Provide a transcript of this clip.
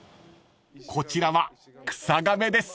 ［こちらはクサガメです］